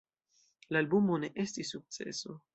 La albumo ne estis sukceso.